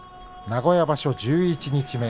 名古屋場所十一日目。